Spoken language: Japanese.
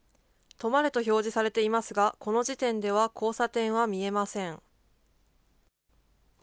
止まれと表示されていますが、この時点では交差点は見えません。